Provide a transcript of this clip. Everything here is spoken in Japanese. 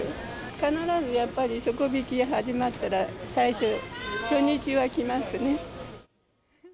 必ずやっぱり底引き始まったら、最初、初日は来ますね。